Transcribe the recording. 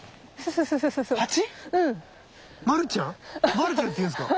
マルちゃんって言うんですか？